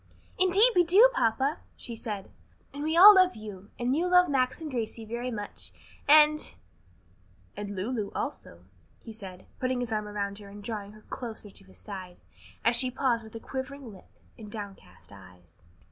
"Yes, indeed we do, papa!" she said, "And we all love you, and you love Max and Gracie very much, and " "And Lulu also," he said, putting his arm about her and drawing her closer to his side, as she paused with quivering lip and downcast eyes.